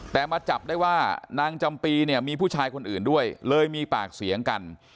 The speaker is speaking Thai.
แต่มาจับได้ว่านางจำปีเนี่ยมีผู้ชายคนอื่นด้วยเลยมีปากเสียงกัน